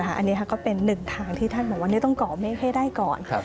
อันนี้ก็เป็นหนึ่งทางที่ท่านบอกว่าต้องก่อเมฆให้ได้ก่อน